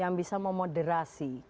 yang bisa memoderasi